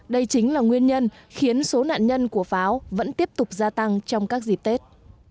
đây chính là nguyên nhân khiến số nạn nhân của pháo vẫn tiếp tục gia tăng trong các dịp tết